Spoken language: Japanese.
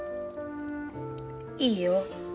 いいよ。